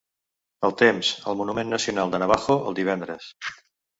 El temps al monument nacional de Navajo el divendres.